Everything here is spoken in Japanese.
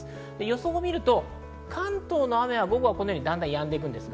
予想を見ると関東の雨は午後はだんだんやんできます。